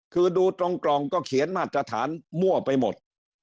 คือดูตรงกล่องก็เขียนมาตรฐานมั่วไปหมด